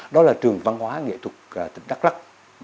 đó là trường văn hóa nghệ thuật tỉnh đắk lắc